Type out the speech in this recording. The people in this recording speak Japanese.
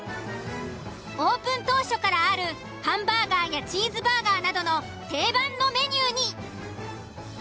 オープン当初からあるハンバーガーやチーズバーガーなどの定番のメニューに。